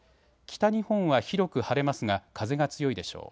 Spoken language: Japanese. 北日本は広く晴れますが風が強いでしょう。